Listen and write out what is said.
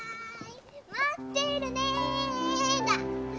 待ってるねだ！